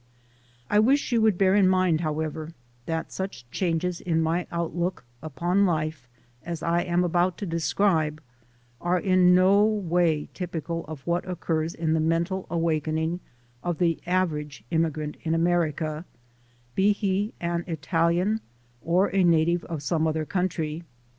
I wish you would bear in mind, however, that such changes in my outlook upon life as I am about to describe, are in no way typical of what occurs in the mental awakening of the average immigrant in America, be he an Italian or a native of some other country.